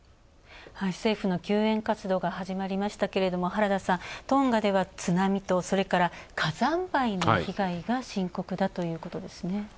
政府の救援活動が始まりましたけれども原田さん、トンガでは、津波とそれから火山灰の被害が深刻だということですね。